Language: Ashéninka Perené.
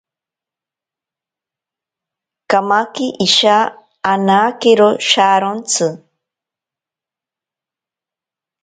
Kamake isha anakero sharontsi.